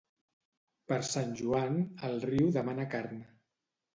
Per Sant Joan el riu demana carn.